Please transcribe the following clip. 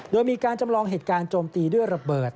โดยมีการจำลองเหตุการณ์โจมตีด้วยระเบิด